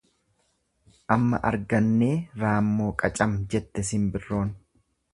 Amma arganne raammoo qacam jette simbirroon.